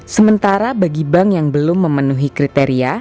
sementara bagi bank yang belum memenuhi kriteria